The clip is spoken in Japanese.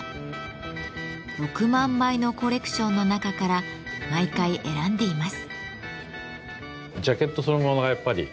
６万枚のコレクションの中から毎回選んでいます。